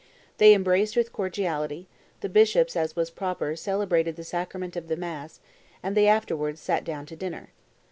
They embraced with cordiality; the bishops, as was proper, celebrated the sacrament of the mass, and they afterwards sat down to dinner.